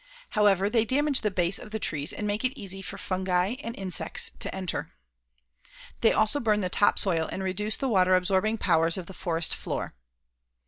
However, they damage the base of the trees and make it easy for fungi and insects to enter. They also burn the top soil and reduce the water absorbing powers of the forest floor.